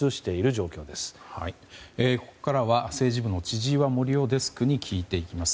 ここからは政治部の千々岩森生デスクに聞いていきます。